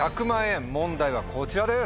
問題はこちらです。